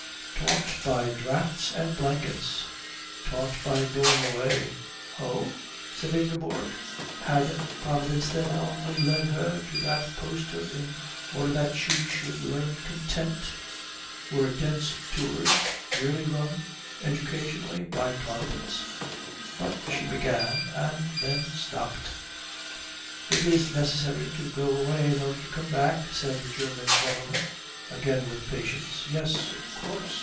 "Taught by draughts and blankets?" "Taught by going away." "Oh?" said Ingeborg. Had Providence then only led her to that poster in order that she should learn content? Were Dent's Tours really run, educationally, by Providence? "But " she began, and then slopped. "It is necessary to go away in order to come back," said the German gentleman, again with patience. "Yes. Of course.